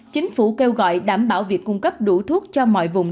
chính phủ kêu gọi đảm bảo việc cung cấp đủ thuốc cho mọi vùng